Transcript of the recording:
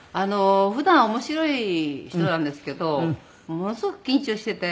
普段面白い人なんですけどものすごく緊張していて。